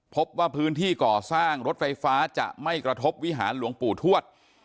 พบว่าพื้นที่ก่อสร้างรถไฟฟ้าจะไม่กระทบวิหารหลวงปู่ทวด